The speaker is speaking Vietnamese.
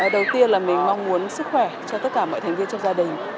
đầu tiên là mình mong muốn sức khỏe cho tất cả mọi thành viên trong gia đình